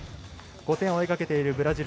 ５点を追いかけているブラジル。